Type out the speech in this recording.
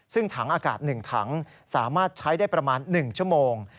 ซึ่งถังอากาศ๑ถังสามารถใช้ได้ประมาณ๑ชั่วโมง